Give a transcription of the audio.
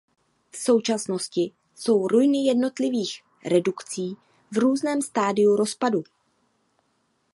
V současnosti jsou ruiny jednotlivých redukcí v různém stádiu rozpadu.